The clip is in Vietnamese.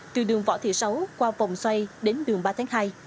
từ đường võ thị sáu qua vòng xoay đến đường ba tháng hai